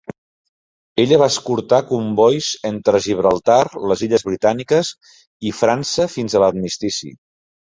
Ella va escortar combois entre Gibraltar, les Illes Britàniques i França fins a l'Armistici.